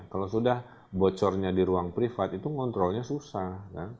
kalau sudah bocornya di ruang privat itu ngontrolnya susah